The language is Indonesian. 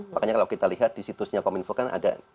makanya kalau kita lihat di situsnya kominfo kan ada